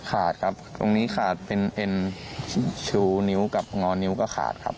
ขาดครับตรงนี้ขาดเป็นเอ็นชูนิ้วกับงอนิ้วก็ขาดครับ